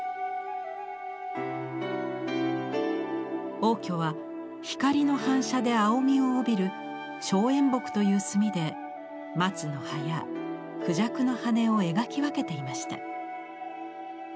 応挙は光の反射で青みを帯びる「松煙墨」という墨で松の葉や孔雀の羽を描き分けていました。